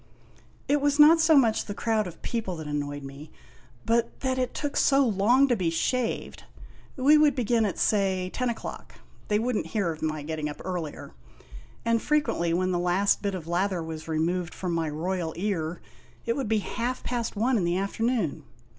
It was not so much the crowd of people that annoyed me, but 56 IMAGINOTIONS then it took so long to be shaved. We would begin at, say, ten o'clock, they would n't hear of my getting up earlier! and fre quently when the last bit of lather was removed from my royal ear, it would be half past one in the afternoon!